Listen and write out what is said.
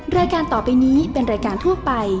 รายการต่อไปนี้เป็นรายการทั่วไป